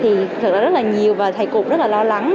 thì thật là rất là nhiều và thầy cụ rất là lo lắng